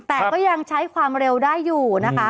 แต่ก็ยังใช้ความเร็วได้อยู่นะคะ